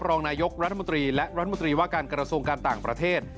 รองนายกรัฐมนตรีและรัฐมนตรีว่าการกระทรวงการต่างประเทศ